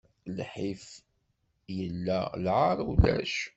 Lḥif illa, lɛaṛ ulac.